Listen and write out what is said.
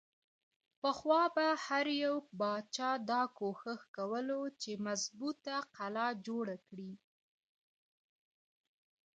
پخوا به هر يو باچا دا کوښښ کولو چې مضبوطه قلا جوړه کړي۔